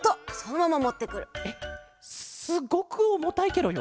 えっすっごくおもたいケロよ。